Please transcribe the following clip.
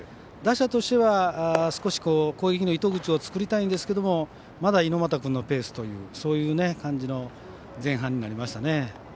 打者としては少し攻撃の糸口を作りたいんですけどまだ猪俣君のペースというそういう感じの前半になりましたね。